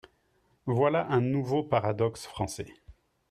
Voilà un nouveau paradoxe français.